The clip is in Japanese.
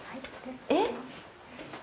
えっ。